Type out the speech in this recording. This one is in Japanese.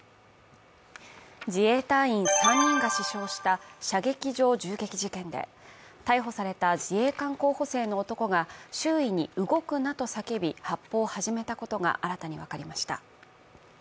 自衛隊員３人が死傷した射撃場銃撃事件で、逮捕された自衛官候補生の男が周囲に動くなと叫び、発砲を始めたことが新たに分かりました。